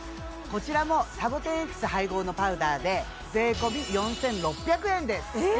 こちらもサボテンエキス配合のパウダーで税込４６００円ですえーっ！